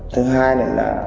thứ hai là